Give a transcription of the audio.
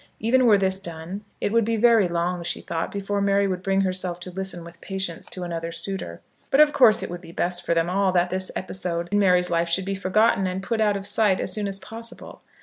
Even were this done it would be very long, she thought, before Mary would bring herself to listen with patience to another suitor. But of course it would be best for them all that this episode in Mary's life should be forgotten and put out of sight as soon as possible.